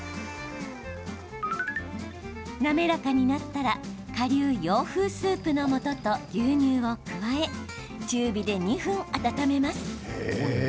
滑らかになったらかりゅう洋風スープのもとと牛乳を加え、中火で２分温めます。